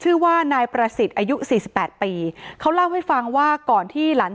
อ๋อเจ้าสีสุข่าวของสิ้นพอได้ด้วย